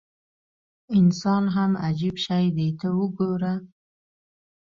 انسان هم عجیب شی دی ته وګوره.